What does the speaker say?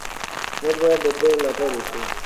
موږ باید د ده ملاتړ وکړو.